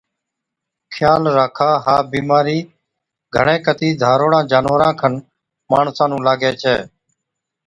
خيال راکا، ها بِيمارِي گھڻَي ڪتِي ڌاروڙان جانوَران کن ماڻسان نُون لاگَي ڇَي۔